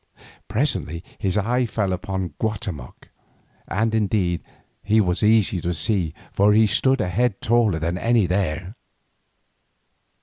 Presently his eye fell upon Guatemoc, and, indeed, he was easy to see, for he stood a head taller than any there.